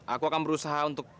aku akan berusaha untuk